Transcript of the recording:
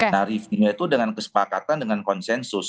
nah review nya itu dengan kesepakatan dengan konsensus